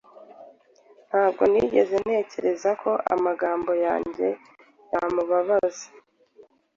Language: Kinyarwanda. Ntabwo nigeze ntekereza ko amagambo yanjye yamubabaza.